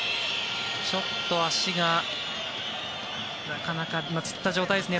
ちょっと足がなかなかつった状態ですね。